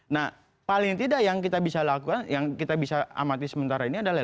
nah paling tidak yang kita bisa lakukan yang kita bisa amati sementara ini adalah